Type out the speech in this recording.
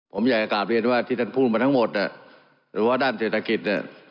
ผมอยากจะกลับเรียนว่าที่ท่านพูดมาทั้งหมดหรือว่าด้านเศรษฐกิจเนี่ย